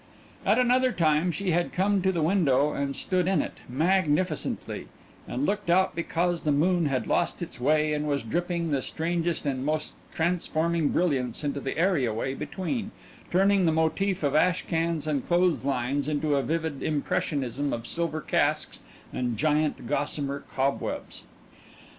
At another time she had come to the window and stood in it magnificently, and looked out because the moon had lost its way and was dripping the strangest and most transforming brilliance into the areaway between, turning the motif of ash cans and clothes lines into a vivid impressionism of silver casks and gigantic gossamer cobwebs.